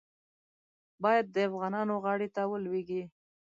باید د افغانانو غاړې ته ولوېږي.